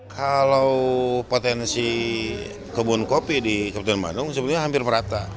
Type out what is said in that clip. kalau potensi kebun kopi di kabupaten bandung sebenarnya hampir merata